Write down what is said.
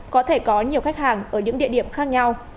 có thể có nhiều khách hàng ở những địa điểm khác nhau